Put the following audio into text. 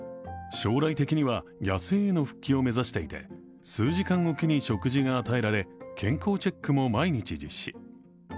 将来的には野生への復帰を目指していて、数時間置きに食事が与えられ、健康チェックも毎日実施。